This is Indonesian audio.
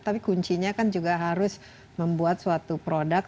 tapi kuncinya kan juga harus membuat suatu produk